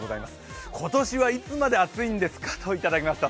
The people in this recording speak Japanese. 今年いつまで暑いんですかといただきました。